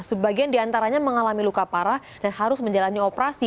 sebagian diantaranya mengalami luka parah dan harus menjalani operasi